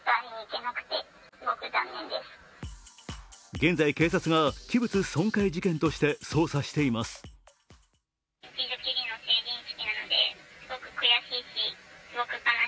現在、警察が器物損壊事件として捜査しています。